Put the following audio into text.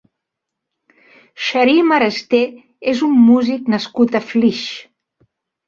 Xarim Aresté és un músic nascut a Flix.